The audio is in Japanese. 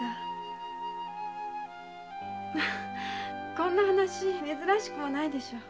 こんな話珍しくもないでしょう？